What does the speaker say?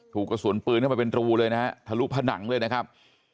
กระสุนปืนเข้าไปเป็นรูเลยนะฮะทะลุผนังเลยนะครับ